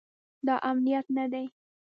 دا امنیت نه دی